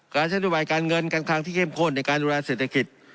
การใช้นโยบายการเงินการคลังที่เข้มข้นในการดูแลเศรษฐกิจ